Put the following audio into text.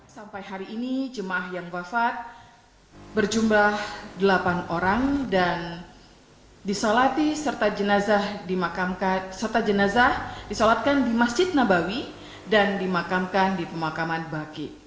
sampai hari ini jemaah yang wafat berjumlah delapan orang dan disolati serta jenazah dimakamkan serta jenazah disolatkan di masjid nabawi dan dimakamkan di pemakaman baki